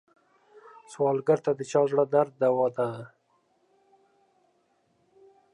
سوالګر ته د چا زړه درد دوا ده